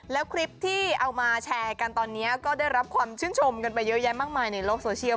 แล้วคลิปที่เอามาแชร์กันตอนนี้ก็ได้รับความชื่นชมกันไปเยอะแยะมากมายในโลกโซเชียล